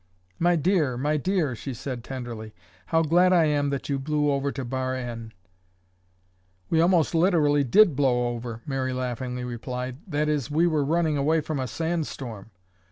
"My dear, my dear," she said tenderly, "how glad I am that you blew over to Bar N." "We almost literally did blow over," Mary laughingly replied. "That is, we were running away from a sand storm."